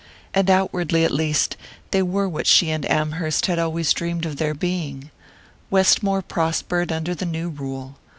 And outwardly at least they were what she and Amherst had always dreamed of their being. Westmore prospered under the new rule.